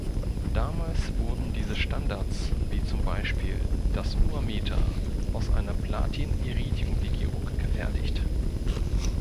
Damals wurden diese Standards, wie zum Beispiel das Urmeter, aus einer Platin-Iridium-Legierung gefertigt.